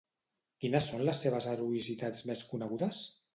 Quines són les seves heroïcitats més conegudes?